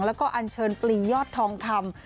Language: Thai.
และอัลเชิญปรียอดทองคำ